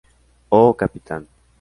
Oh, Capitán!